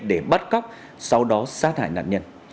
để bắt cóc sau đó xá thải đạn nhân